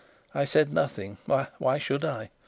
I said nothing. Why should I?